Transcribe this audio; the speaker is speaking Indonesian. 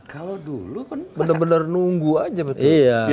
kalau dulu kan benar benar nunggu aja betul